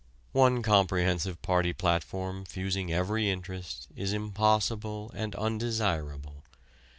One comprehensive party platform fusing every interest is impossible and undesirable.